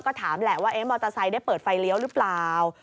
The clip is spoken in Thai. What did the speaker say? ก็ถามแหละว่ามอเตอร์ไซค์ได้เปิดไฟเลี้ยวหรือเปล่า